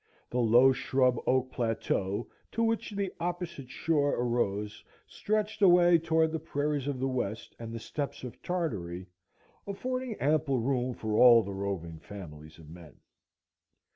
The low shrub oak plateau to which the opposite shore arose, stretched away toward the prairies of the West and the steppes of Tartary, affording ample room for all the roving families of men.